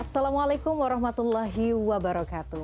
assalamualaikum warahmatullahi wabarakatuh